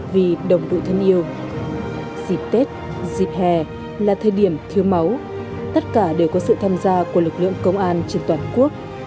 vì đồng đội thân yêu dịp tết dịp hè là thời điểm thiếu máu tất cả đều có sự tham gia của lực lượng công an trên toàn quốc